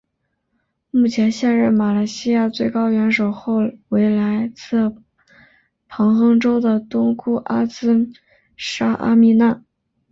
目前现任马来西亚最高元首后为来自彭亨州的东姑阿兹纱阿蜜娜。